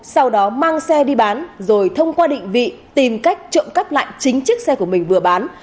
sau đó mang xe đi bán rồi thông qua định vị tìm cách trộm cắp lại chính chiếc xe của mình vừa bán